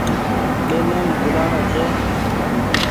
ٻينين ٻولآڻو ڇي